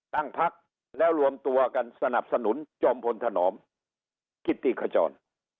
ตั้งพักแล้วรวมตัวกันสนับสนุนจอมพลถนอมคิตติขจร